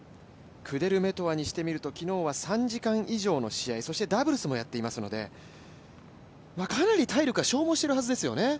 クデルメトワにしてみると昨日は３時間以上の試合、ダブルスもやっていますのでかなり体力は消耗しているはずですよね。